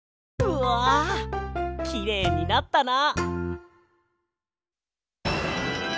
うわきれいになったな！